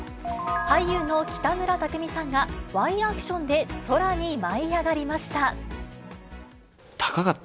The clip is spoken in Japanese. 俳優の北村匠海さんが、ワイヤアクションで空に舞い上がりました。